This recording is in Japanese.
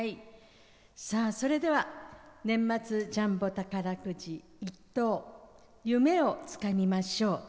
それでは年末ジャンボ宝くじ１等夢をつかみましょう。